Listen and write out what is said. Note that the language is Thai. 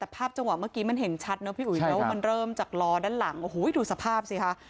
แต่ภาพจังหวะเมื่อกี้มันเห็นชัดเนอะพี่อุ๋ยนะว่ามันเริ่มจากล้อด้านหลังโอ้โหดูสภาพสิคะ